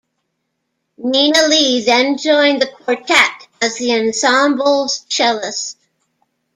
Nina Lee then joined the quartet as the ensemble's cellist.